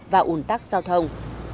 và ủn tắc giao thông